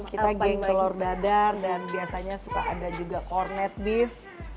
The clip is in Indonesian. kita bikin telur dadar dan biasanya suka ada juga kornet beef